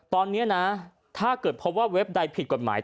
ตอนนี้นะถ้าเกิดพบว่าเว็บใดผิดกฎหมาย